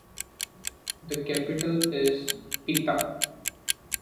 The capital is Pita.